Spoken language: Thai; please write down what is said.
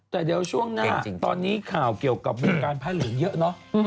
แต่เดี๋ยวช่วงหน้าตอนนี้ข่าวเกี่ยวกับวงการพระเหลืองเยอะเนอะ